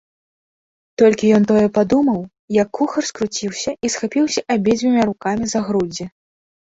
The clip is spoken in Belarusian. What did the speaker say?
Толькі ён тое падумаў, як кухар скруціўся і схапіўся абедзвюма рукамі за грудзі.